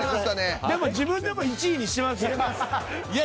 でも自分でも１位にしてますやん。